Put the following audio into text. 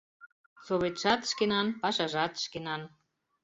Советшат шкенан, пашажат шкенан».